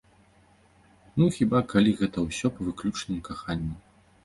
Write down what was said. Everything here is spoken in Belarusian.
Ну, хіба, калі гэта ўсё па выключным каханні.